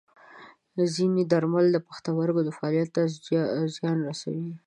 ځینې درمل د پښتورګو فعالیت ته زیان رسوي.